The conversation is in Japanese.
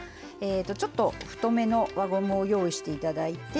ちょっと、太めの輪ゴムを用意していただいて。